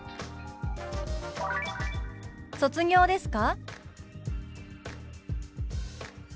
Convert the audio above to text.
「卒業ですか？」。